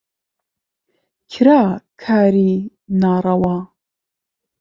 کرا کاری ناڕەوا